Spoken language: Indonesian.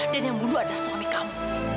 dan yang mundur adalah suami kamu